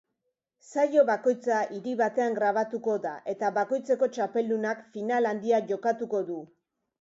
Saio bakoitza hiri batean grabatuko da eta bakoitzeko txapeldunak final handia jokatuko du.